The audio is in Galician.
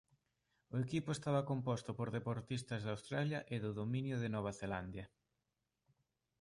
O equipo estaba composto por deportistas de Australia e do dominio de Nova Zelandia.